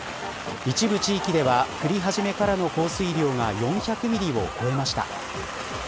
一部地域では降り始めからの降水量が４００ミリを超えました。